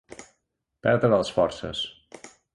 Perdre les forces.